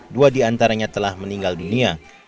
dua diantaranya telah meninggal dunia